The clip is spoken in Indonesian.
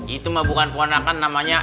itu mah bukan ponakan namanya